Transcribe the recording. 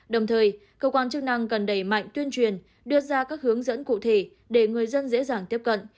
đồng thời cơ quan chức năng cần đẩy mạnh tuyên truyền đưa ra các hướng dẫn cụ thể để người dân dễ dàng tiếp cận